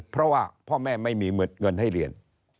เพราะว่าพ่อแม่ไม่มีเงินให้เรียน